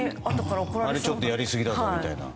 ちょっとやりすぎだぞみたいな。